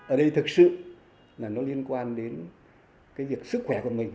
ở đây thực sự là nó liên quan đến cái việc sức khỏe của mình